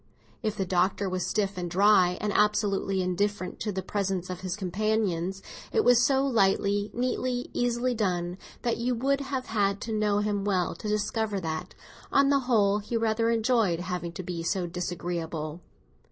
If the Doctor was stiff and dry and absolutely indifferent to the presence of his companions, it was so lightly, neatly, easily done, that you would have had to know him well to discover that, on the whole, he rather enjoyed having to be so disagreeable.